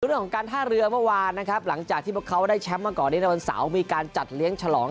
ล่วนเรื่องของการท่าเรือเมื่อวานนะครับหลังจากที่เขาได้แชมป์ว่าก่อน